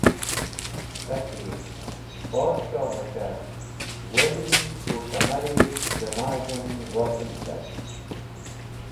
K̃hati: “Podshohbacha! Wezi k̃hũ kamari dẽ maz̃h en wosil car.”